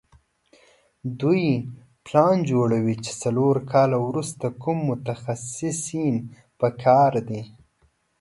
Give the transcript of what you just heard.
دوی پلان جوړوي چې څلور کاله وروسته کوم متخصصین په کار دي.